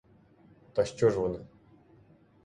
Та що ж вони?